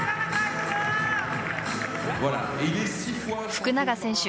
福永選手